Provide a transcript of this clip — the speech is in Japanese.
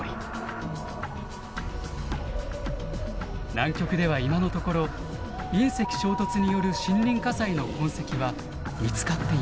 南極では今のところ隕石衝突による森林火災の痕跡は見つかっていません。